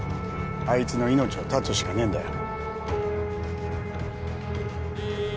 あいつの命を絶つしかねえんだよ